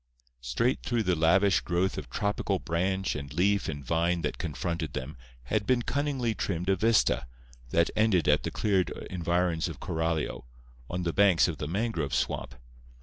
Straight through the lavish growth of tropical branch and leaf and vine that confronted them had been cunningly trimmed a vista, that ended at the cleared environs of Coralio, on the banks of the mangrove swamp.